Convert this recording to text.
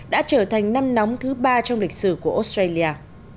đã trở thành năm nóng thứ ba trong lịch sử của australia